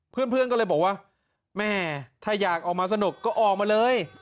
เพื่อนก็เลยบอกว่าแม่ถ้าอยากออกมาสนุกก็ออกมาเลย